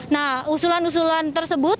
nah usulan usulan tersebut